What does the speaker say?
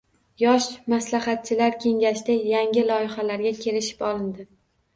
“Yosh maslahatchilar” kengashida yangi loyihalarga kelishib olindi